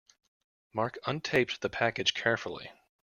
Mark untaped the package carefully.